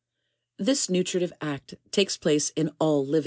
This nutritive act takes place in all living beings.